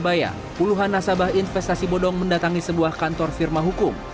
di surabaya puluhan nasabah investasi bodong mendatangi sebuah kantor firma hukum